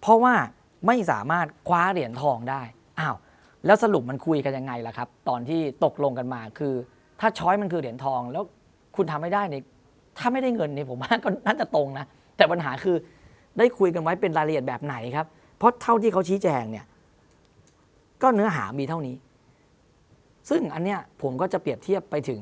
เพราะว่าไม่สามารถคว้าเหรียญทองได้อ้าวแล้วสรุปมันคุยกันยังไงล่ะครับตอนที่ตกลงกันมาคือถ้าช้อยมันคือเหรียญทองแล้วคุณทำให้ได้เนี่ยถ้าไม่ได้เงินเนี่ยผมว่าก็น่าจะตรงนะแต่ปัญหาคือได้คุยกันไว้เป็นรายละเอียดแบบไหนครับเพราะเท่าที่เขาชี้แจงเนี่ยก็เนื้อหามีเท่านี้ซึ่งอันนี้ผมก็จะเปรียบเทียบไปถึง